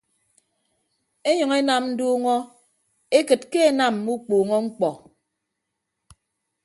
Enyʌñ enam nduuñọ ekịt ke enam mme ukpuuñọ ñkpọ.